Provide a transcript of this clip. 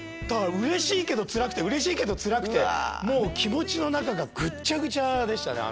だからうれしいけどつらくてうれしいけどつらくてもう気持ちの中がぐちゃぐちゃでした